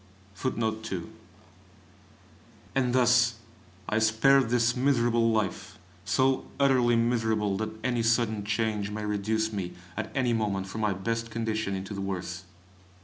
And thus I spared this miserable life so utterly miserable that any sudden change may reduce me at any moment from my best condition into the worst.